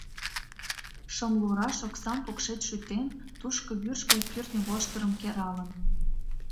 Шымлураш оксам покшеч шӱтен, тушко вӱрж гай кӱртньӧ воштырым кералын.